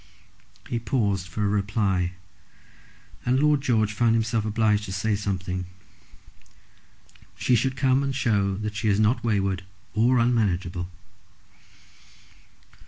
He paused for a reply; and Lord George found himself obliged to say something. "She should come and show that she is not wayward or unmanageable."